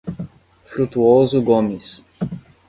Frutuoso Gomes